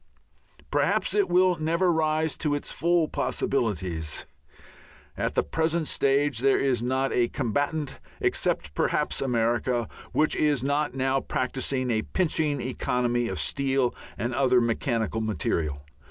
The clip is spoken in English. Perhaps it will never rise to its full possibilities. At the present stage there is not a combatant, except perhaps America, which is not now practising a pinching economy of steel and other mechanical material.